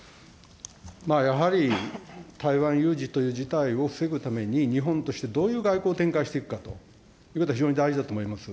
やはり台湾有事という事態を防ぐために、日本として、どういう外交を展開していくかということは非常に大事だと思います。